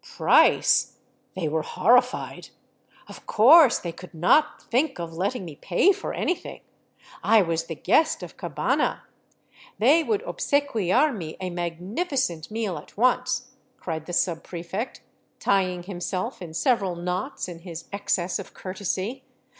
Price? They were horrified ! Of course they could not think of letting me pay for anything. I was the guest of Cabana. They would obsequiar me a " magnificent meal " at once, cried the subprefect, tying himself in several knots in his excess of courtesy.